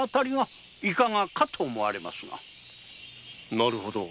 なるほど。